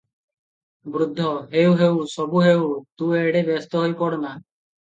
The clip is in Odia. ବୃଦ୍ଧ-ହେଉ ହେଉ, ସବୁ ହେବ, ତୁ ଏଡେ ବ୍ୟସ୍ତ ହୋଇ ପଡ଼ ନା ।